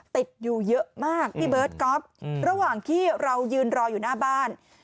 ติดอยู่เยอะมากพี่เบิร์ตก๊อฟระหว่างที่เรายืนรออยู่หน้าบ้าน